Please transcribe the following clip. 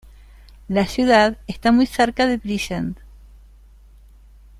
La ciudad está muy cerca de Bridgend.